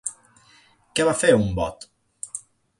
Què va fer un bot?